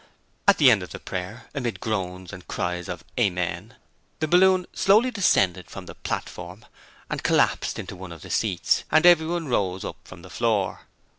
At the end of the prayer, amid groans and cries of 'Amen', the balloon slowly descended from the platform, and collapsed into one of the seats, and everyone rose up from the floor.